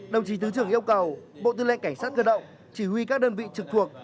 đồng chí thứ trưởng yêu cầu bộ tư lệnh cảnh sát cơ động chỉ huy các đơn vị trực thuộc